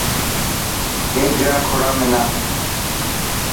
هيڪ گرا کوڙا منا.